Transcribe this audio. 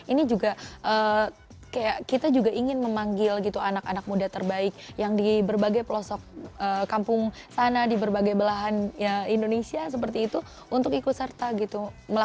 ini juga kita juga ingin memanggil gitu anak anak muda terbaik yang di berbagai pelosok kampung sana di berbagai belahan indonesia seperti itu untuk ikut serta gitu